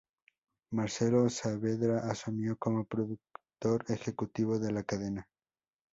Marcelo Saavedra asumió como productor ejecutivo de la cadena.